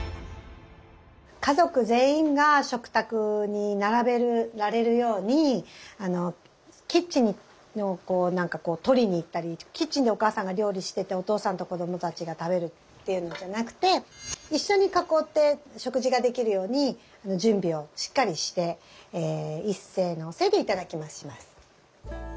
家族全員が食卓に並べられるようにキッチンに何かこう取りに行ったりキッチンでお母さんが料理しててお父さんと子どもたちが食べるっていうのじゃなくて一緒に囲って食事ができるように準備をしっかりしていっせのせでいただきますします。